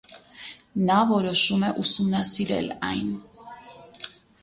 Նա որոշում է ուսումնասիրել այն։